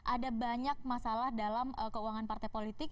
ada banyak masalah dalam keuangan partai politik